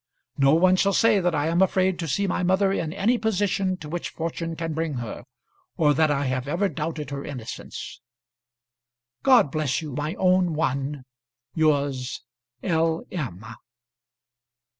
No one shall say that I am afraid to see my mother in any position to which fortune can bring her, or that I have ever doubted her innocence. God bless you, my own one. Yours, L. M.